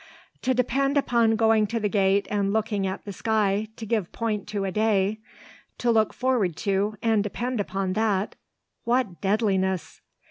"To depend upon going to the gate and looking at the sky to give point to a day to look forward to and depend upon that what deadliness!"